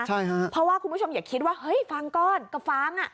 ใช่ฮะเพราะว่าคุณผู้ชมอย่าคิดว่าเฮ้ยฟางก้อนกับฟางอ่ะ